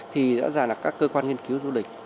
thì rõ ràng là các cơ quan nghiên cứu du lịch